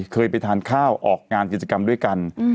เคยไปทานข้าวออกงานกิจกรรมด้วยกัน